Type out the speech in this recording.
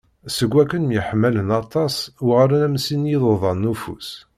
Seg wakken myeḥmalen aṭas, uγalen am sin n yiḍudan n ufus.